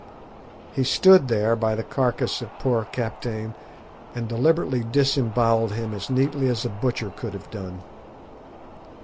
He stood there by the carcass of poor Kaptein, and deliberately disembowelled him as neatly as a butcher could have done.